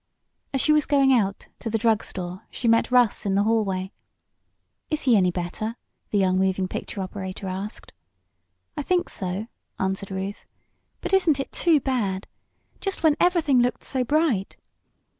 As she was going out to the drug store she met Russ in the hallway. "Is he any better?" the young moving picture operator asked. "I think so," answered Ruth. "But isn't it too bad? Just when everything looked so bright."